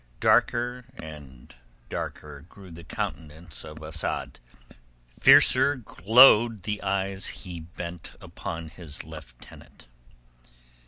Darker and darker grew the countenance of Asad, fiercer glowed the eyes he bent upon his lieutenant.